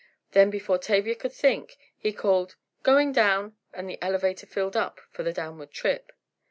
Then before Tavia could think, he called, "Going down!" and the elevator filled up for the downward trip.